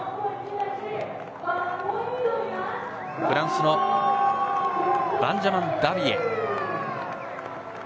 フランスのバンジャマン・ダビエ。